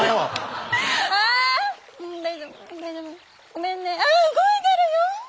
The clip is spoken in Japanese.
ごめんねあっ動いてるよ。